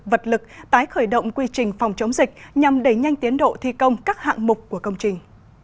vật lực tái khởi động quy trình phòng chống dịch nhằm đẩy nhanh tiến độ thi công các hạng mục của công trình